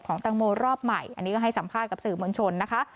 ตังโมรอบใหม่อันนี้ก็ให้สัมภาษณ์กับสื่อมวลชนนะคะ